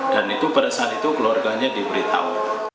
dan itu pada saat itu keluarganya diberitahu